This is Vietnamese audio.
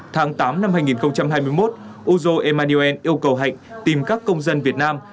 tháng tám năm hai nghìn hai mươi một uzo emaniel yêu cầu hạnh tìm các công dân việt nam